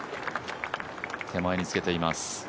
手前につけています。